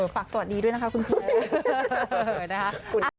ฝากสวัสดีด้วยนะคะคุณครู